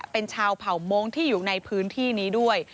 เป็นชาวเผ่ามงค์ที่อยู่ในพื้นที่นี้ด้วย